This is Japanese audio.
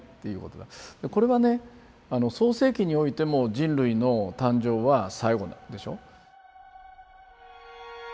これはね「創世記」においても人類の誕生は最後だったでしょ。